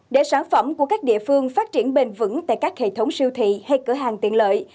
để sản phẩm của các địa phương phát triển bền vững tại các hệ thống siêu thị hay cửa hàng tiện lợi